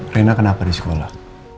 reina kenapa di sekolah